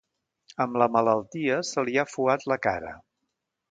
Amb la malaltia se li ha afuat la cara.